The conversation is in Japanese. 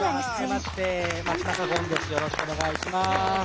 よろしくお願いします。